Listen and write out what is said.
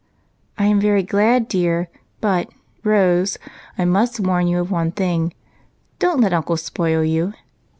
" I am very glad, dear. But, Rose, I must warn you of one thing ; don't let uncle spoil you."